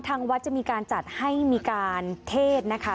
ทางวัดจะมีการจัดให้มีการเทศนะคะ